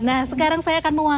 nah sekarang saya akan mewakili